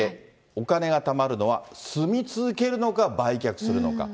お金がたまるのは住み続けるのか、売却するのか。